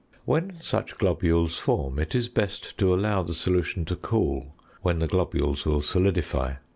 When such globules form, it is best to allow the solution to cool, when the globules will solidify.